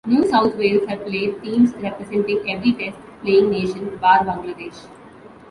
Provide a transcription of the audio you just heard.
New South Wales have played teams representing every test playing nation bar Bangladesh.